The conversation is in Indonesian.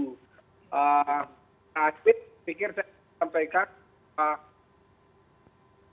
nah akhirnya saya ingin menyampaikan